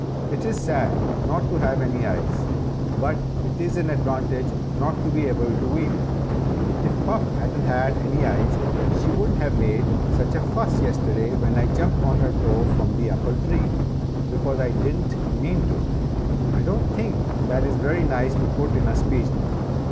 It is sad not to have any eyes, but it is an advantage not to be able to weep. If Puff hadn't had any eyes, she wouldn't have made such a fuss yesterday when I jumped on her toe from the apple tree, because I didn't mean to." "I don't think that is very nice to put in a speech, Nibble!"